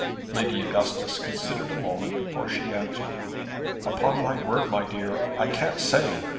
Lady Augustus considered a moment before she answered. "Upon my word, my dear, I can't say.